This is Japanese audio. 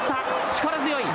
力強い。